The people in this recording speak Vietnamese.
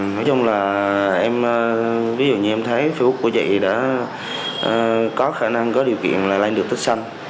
nói chung là em ví dụ như em thấy facebook của chị đã có khả năng có điều kiện lại lên được tích xanh